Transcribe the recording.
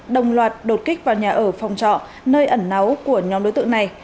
đồng loạt đột kích vào nhà ở phòng trọ nơi ẩn náu của nhóm đối tượng này